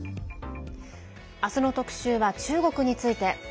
あすの特集は中国について。